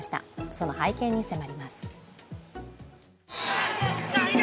その背景に迫ります。